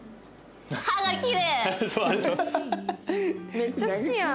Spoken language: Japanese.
めっちゃ好きやん。